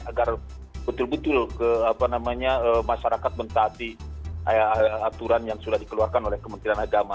agar betul betul masyarakat mentaati aturan yang sudah dikeluarkan oleh kementerian agama